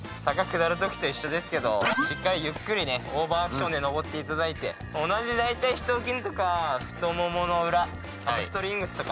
下る時と一緒ですけどしっかりゆっくりねオーバーアクションで上っていただいて同じ大腿四頭筋とか太ももの裏ハムストリングスとかね